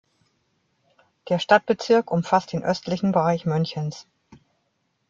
Der Stadtbezirk umfasst den östlichen Bereich Münchens.